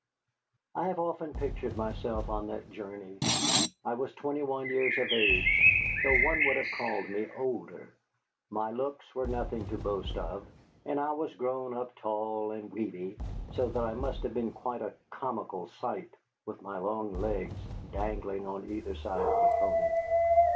I have often pictured myself on that journey. I was twenty one years of age, though one would have called me older. My looks were nothing to boast of, and I was grown up tall and weedy, so that I must have made quite a comical sight, with my long legs dangling on either side of the pony.